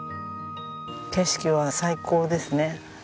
景色は最高ですね。